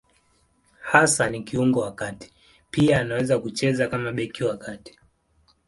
Hasa ni kiungo wa kati; pia anaweza kucheza kama beki wa kati.